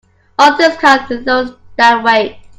All things come to those that wait.